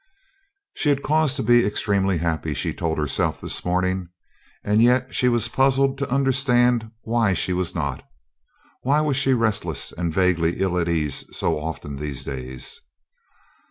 She had cause to be extremely happy, she told herself this morning, and yet she was puzzled to understand why she was not. Why was she restless and vaguely ill at ease so often these days?